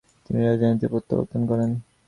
তিনি রাজধানীতে প্রত্যাবর্তন করেন।